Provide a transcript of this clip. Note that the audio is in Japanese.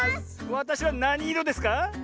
わたしはなにいろですか？